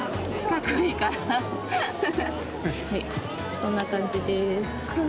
こんなかんじです！